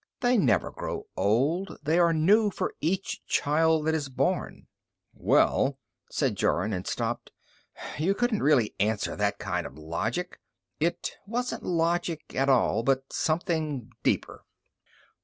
They never grow old; they are new for each child that is born." "Well," said Jorun, and stopped. You couldn't really answer that kind of logic. It wasn't logic at all, but something deeper.